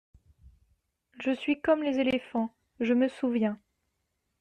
Je suis comme les éléphants, je me souviens.